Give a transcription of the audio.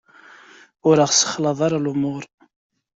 Ur aɣ-ssexlaḍ ara lumuṛ!